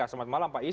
selamat malam pak is